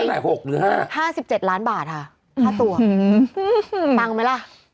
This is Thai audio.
หน่วยหน่อย๖หรือ๕๕๗ล้านบาทค่ะ๕ตัวปังไหมล่ะ